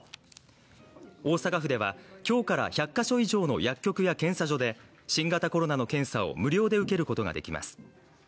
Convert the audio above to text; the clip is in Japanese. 大阪府では今日から１００か所以上の薬局や検査所で新型コロナの検査を無料で受けることができます